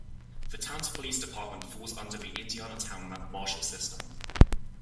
The town's police department falls under the Indiana town marshal system.